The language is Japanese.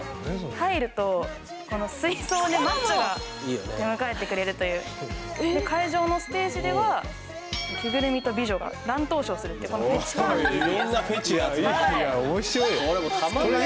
入ると水槽でマッチョが出迎えてくれるという会場のステージでは着ぐるみと美女が乱闘ショーをするといういろんなフェチが集まってこれもうたまんないよ